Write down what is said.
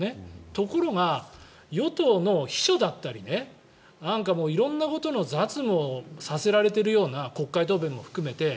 ところが与党の秘書だったり色んなことの雑務をさせられているような国会答弁も含めて。